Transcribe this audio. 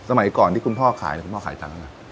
สมัยก่อนที่คุณคุณพ่อขายคุณพ่อขายเท้าแล้วน่ะ